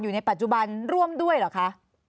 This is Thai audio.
อยู่ในปัจจุบันร่วมด้วยเหรอคะ